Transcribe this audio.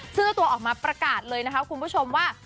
เชื่อตัวออกมาประกาศเลยนะครับคุณผู้ชมว่า